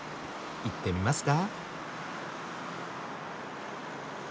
行ってみますか。